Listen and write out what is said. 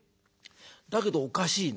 だけどおかしいね。